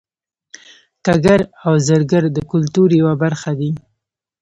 ګګر او زرګر د کولتور یوه برخه دي